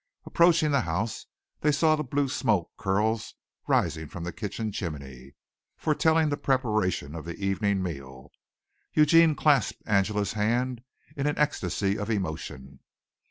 Approaching the house they saw the blue smoke curls rising from the kitchen chimney, foretelling the preparation of the evening meal. Eugene clasped Angela's hand in an ecstasy of emotion.